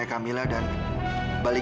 ibu luar biasa transformative zahid